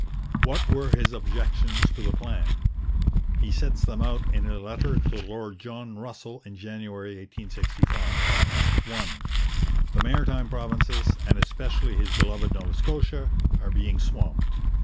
What were his objections to the plan? He sets them out in a letter to Lord John Russell in January 1865. 1. The Maritime Provinces, and especially his beloved Nova Scotia, are being swamped.